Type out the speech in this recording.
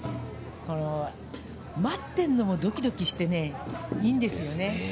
待っているのもドキドキしていいんですよね。